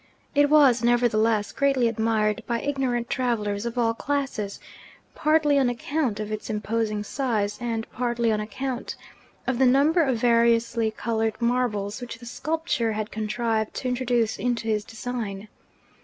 It was nevertheless greatly admired by ignorant travellers of all classes; partly on account of its imposing size, and partly on account of the number of variously coloured marbles which the sculptor had contrived to introduce into his design.